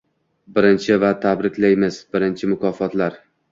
Birinchi va tabriklaymiz birinchi mukofotlar